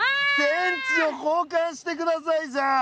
「電池を交換してください」じゃん。